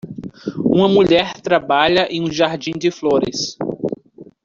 Uma mulher trabalha em um jardim de flores